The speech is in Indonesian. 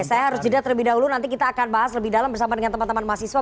saya harus jeda terlebih dahulu nanti kita akan bahas lebih dalam bersama dengan teman teman mahasiswa